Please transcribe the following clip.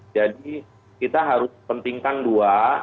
jadi kita harus pentingkan dua